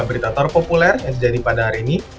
kita tahu populer yang terjadi pada hari ini